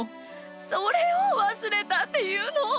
それをわすれたっていうの！